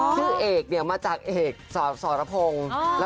ชื่อเอกเนี่ยมาจากเอกสรพงศ์